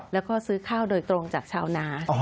แล้วก็ซื้อข้าวโดยตรงจากชาวนา